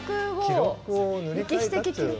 歴史的記録。